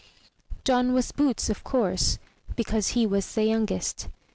John was Boots, of course, because he was the youngest.